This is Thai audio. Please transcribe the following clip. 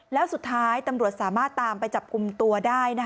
แล้วสุดท้ายตำรวจสามารถตามไปจับกลุ่มตัวได้